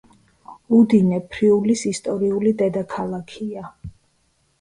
უდინე ფრიულის ისტორიული დედაქალაქია.